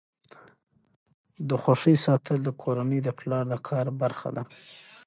د خوښۍ ساتل د کورنۍ د پلار د کار برخه ده.